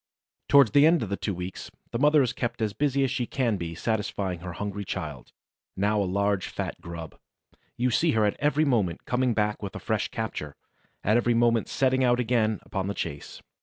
Towards the end of the two weeks, the mother is kept as busy as she can be satisfying her hungry child, now a large, fat grub. You see her at every moment coming back with a fresh capture, at every moment setting out again upon the chase.